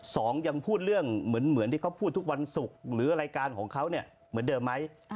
สองยังพูดเรื่องเหมือนที่เขาพูดทุกวันศุกร์หรือรายการของเขาเนี่ยเหมือนเดิมไหม